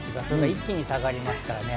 一気に下がりますからね。